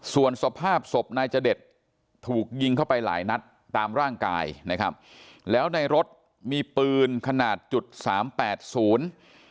ส่วนสภาพศพนายจเดชถูกยิงเข้าไปหลายนัดตามร่างกายนะครับแล้วในรถมีปืนขนาดจุดสามแปดศูนย์